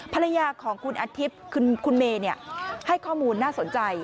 ภรรยาของคุณอาทิตย์คุณเมย์ให้ข้อมูลน่าสนใจ